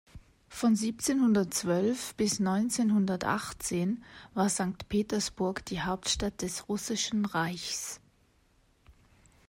Von siebzehnhundertzwölf bis neunzehnhundertachtzehn war Sankt Petersburg die Hauptstadt des Russischen Reichs.